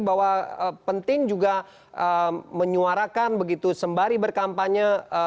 bahwa penting juga menyuarakan begitu sembari berkampanye